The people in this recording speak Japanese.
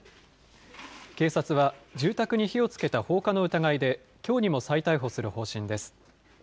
警察は、住宅に火をつけた放火の疑いで、きょうにも再逮捕する方針です。